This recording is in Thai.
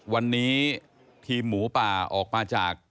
วันนี้ทีมหมูป่าออกมาจาก